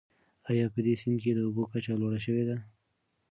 آیا په دې سیند کې د اوبو کچه لوړه شوې ده؟